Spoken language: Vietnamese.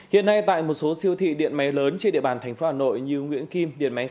hiện nay tại một số siêu thị điện máy lớn trên địa bàn thành phố hà nội như nguyễn kim điện máy sáu